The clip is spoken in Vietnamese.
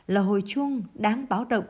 là hồi chung đáng báo động